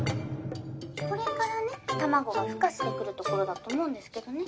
これからね卵がふ化してくるところだと思うんですけどね。